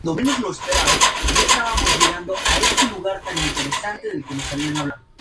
El hecho consta solo por una remota tradición.